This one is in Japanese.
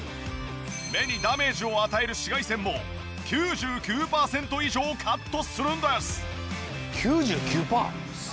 目にダメージを与える紫外線も９９パーセント以上カットするんです！